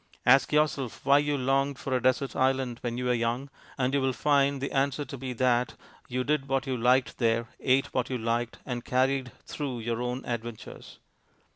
Ask yourself why you longed for a desert island when you were young, and you will find the answer to be that you did what you liked there, ate what you liked, and carried through your own adventures.